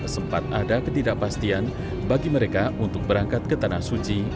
sempat ada ketidakpastian bagi mereka untuk berangkat ke tanah suci